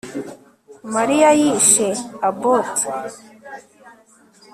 Mariya yishe Abbott